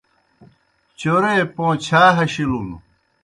چورے پوں چَھا ہشِیلُن۔